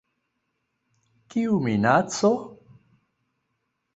Kiu minaco?